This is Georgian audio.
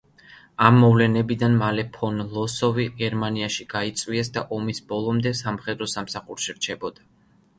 ამ მოვლენიდან მალე ფონ ლოსოვი გერმანიაში გაიწვიეს და ომის ბოლომდე სამხედრო სამსახურში რჩებოდა.